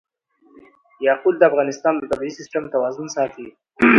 یاقوت د افغانستان د طبعي سیسټم توازن ساتي.